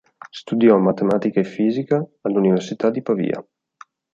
Studiò matematica e fisica all'Università di Pavia.